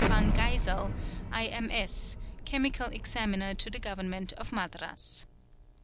Van Geyzel, I. M. S., Chemical Examiner to the Government of Madras.